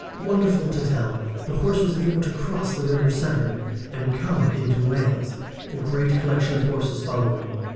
Wonderful to tell, the horse was able to cross the river Severn and come into Wales, the great collection of horses following.